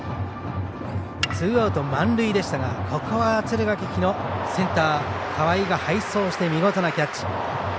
ツーアウト満塁でしたがここは敦賀気比のセンター河合が背走して見事なキャッチ。